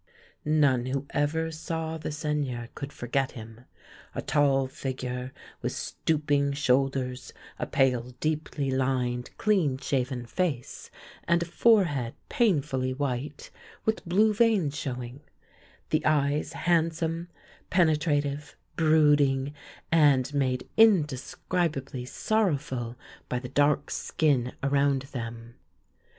None who ever saw the Seigneur could forget him — a tall figure with stooping shoulders ; a pale, deeply lined, clean shaven face ; and a forehead painfully white, with blue veins showing; the eyes handsome, penetrative, brooding, and made indescribably sorrow ful by the dark skin around them.